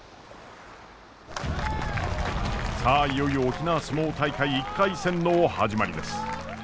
さあいよいよ沖縄角力大会１回戦の始まりです。